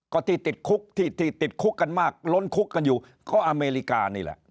ก็ที่ติดคุกที่ติดคุกกันมากล้นคุกกันอยู่ก็อเมริกานี่แหละ